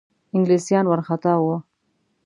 انګلیسیان وارخطا وه.